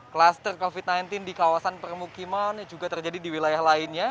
kluster covid sembilan belas di kawasan permukiman juga terjadi di wilayah lainnya